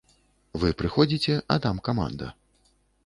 Вы прыходзіце, а там каманда.